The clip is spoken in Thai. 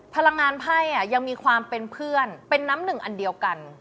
พลังงานไพ่ยังมีความเป็นเพื่อนเป็นน้ำหนึ่งอันเดียวกัน